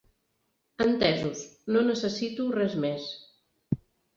Entesos, no necessito res més.